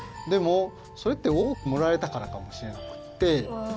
でもそれっておおくもられたからかもしれなくって。